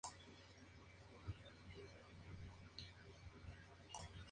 Es fabricado en Japón, Hungría para el mercado europeo e India.